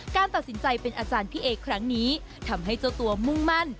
การตัดสินใจเป็นอาจารย์พี่เอครั้งนี้ทำให้เจ้าตัวมุ่งมั่น